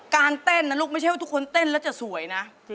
เต้นนะลูกไม่ใช่ว่าทุกคนเต้นแล้วจะสวยนะ